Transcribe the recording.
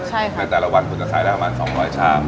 ในแต่ละวันคุณจะขายได้ประมาณ๒๐๐ชาม